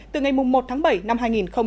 từ ngày một tháng bảy năm hai nghìn hai mươi